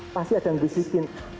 pasti ada yang disikin